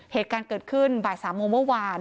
เหตุการณ์เกิดขึ้นบ่าย๓โมงเมื่อวาน